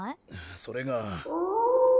それが。